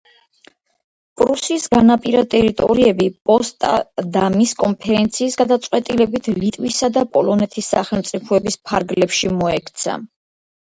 პრუსიის განაპირა ტერიტორიები პოსტდამის კონფერენციის გადაწყვეტილებით ლიტვისა და პოლონეთის სახელმწიფოების ფარგლებში მოექცა.